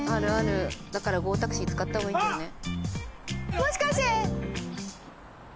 もしかして？